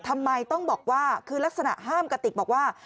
ทำไมต้องบอกว่าคือลักษณะห้ามกระติกบอกว่า